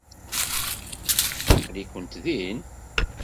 Aql-ikent din?